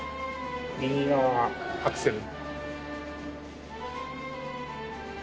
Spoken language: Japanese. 右側がアクセル。